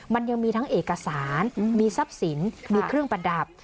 มันยังมีทั้งเอกสารมีทรัพย์สินมีเครื่องประดับ